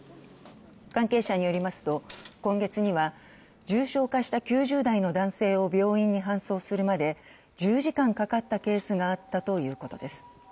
関係者によりますと、今月には重症化した９０代の男性を病院に搬送するまで１０時間かかったケースがあったということです。